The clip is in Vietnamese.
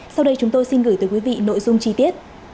sau đây chúng tôi xin gửi tới quý vị nội dung chi tiết